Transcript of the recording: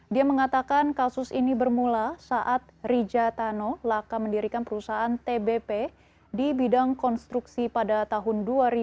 dia mengatakan kasus ini bermula saat rija tano laka mendirikan perusahaan tbp di bidang konstruksi pada tahun dua ribu dua